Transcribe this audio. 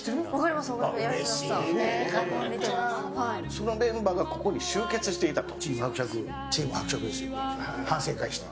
そのメンバーがここに集結していたと反省会してた。